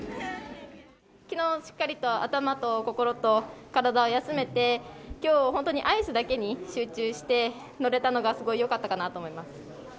きのう、しっかりと頭と心と体を休めて、きょう本当に、アイスだけに集中して乗れたのが、すごいよかったかなと思います。